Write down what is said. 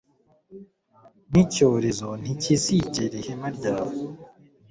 n’icyorezo ntikizegera ihema ryawe